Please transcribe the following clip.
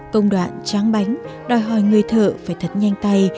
công đoạn tráng bánh đòi hỏi người thợ phải thật nhanh tay